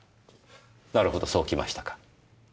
なるほどそうきましたか。